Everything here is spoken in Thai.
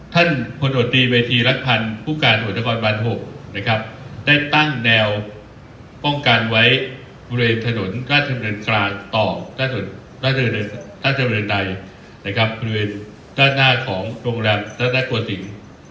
ท่านผลโดตรีเวทีรักษ์พันธ์ผู้การโสดรกรบรรทบได้ตั้งแนวป้องการไว้บริเวณถนนราชเติมเรือนใดบริเวณด้านหน้าของโรงแรมรถรักตัวสิ่ง